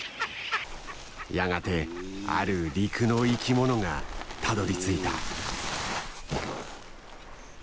やがてある陸の生きものがたどりついた。